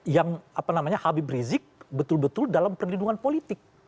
yang habib rizik betul betul dalam perlindungan politik